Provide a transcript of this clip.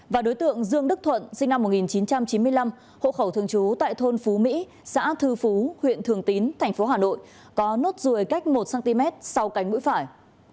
và đối tượng dương đức thuận sinh năm một nghìn chín trăm chín mươi năm hộ khẩu thường trú tại thôn phú mỹ xã thư phú huyện thường tín thành phố hà nội có nốt ruồi cách một cm sau cánh mũi phải